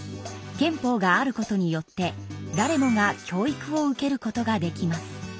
憲法があることによって誰もが教育を受けることができます。